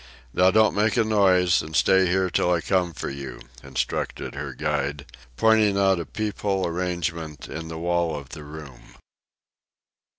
"Now don't make a noise, and stay here till I come for you," instructed her guide, pointing out a peep hole arrangement in the wall of the room.